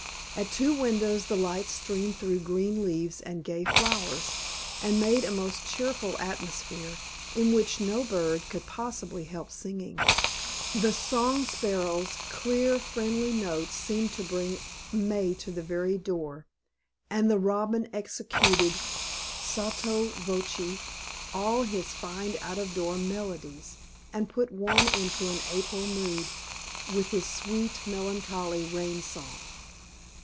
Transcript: At two windows the light streamed through green leaves and gay flowers, and made a most cheerful atmosphere, in which no bird could possibly help singing. The song sparrow's clear, friendly notes seemed to bring May to the very door; and the robin executed, sotto voce, all his fine out of door melodies, and put one into an April mood with his sweet, melancholy rain song.